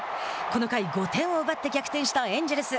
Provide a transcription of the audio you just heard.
この回、５点を奪って逆転したエンジェルス。